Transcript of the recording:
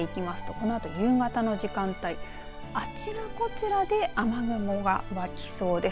このあと夕方の時間帯あちらこちらで雨雲が湧きそうです。